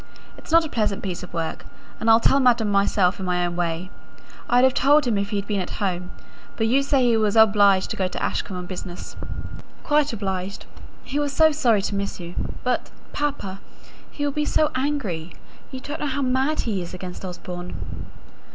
It's not a pleasant piece of work; and I'll tell madam myself in my own way. I'd have told him if he'd been at home; but you say he was obliged to go to Ashcombe on business." "Quite obliged. He was so sorry to miss you. But, papa, he will be so angry! You don't know how mad he is against Osborne."